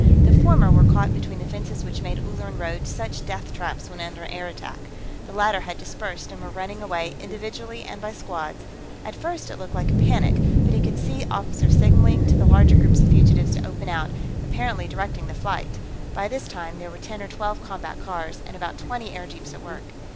The former were caught between the fences which made Ulleran roads such death traps when under air attack. The latter had dispersed, and were running away, individually and by squads; at first, it looked like a panic, but he could see officers signaling to the larger groups of fugitives to open out, apparently directing the flight. By this time, there were ten or twelve combat cars and about twenty airjeeps at work.